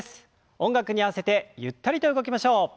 音楽に合わせてゆったりと動きましょう。